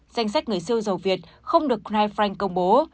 danh sách người siêu giàu việt không được knife frank công bố